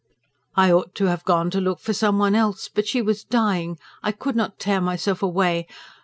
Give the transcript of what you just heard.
"I ought to have gone to look for someone else. But she was dying ... I could not tear myself away.